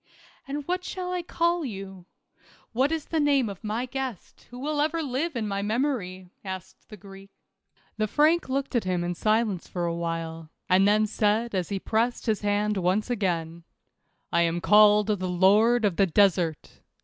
"And'what shall I call you ? What is the name of my guest, who will ever live in my memory ?" asked the Greek. The Frank looked at him in silence for a while, and then said as he pressed his hand once again, "I am called the lord of the desert.